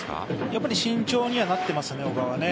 やっぱり慎重にはなっていますね、小川。